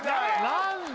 何で？